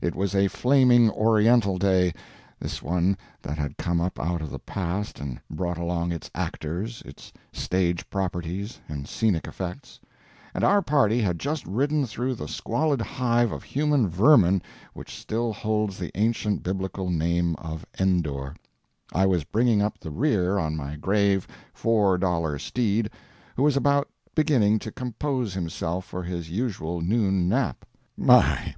It was a flaming Oriental day this one that had come up out of the past and brought along its actors, its stage properties, and scenic effects and our party had just ridden through the squalid hive of human vermin which still holds the ancient Biblical name of Endor; I was bringing up the rear on my grave four dollar steed, who was about beginning to compose himself for his usual noon nap. My!